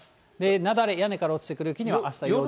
雪崩、屋根から落ちてくる雪にはあした要注意。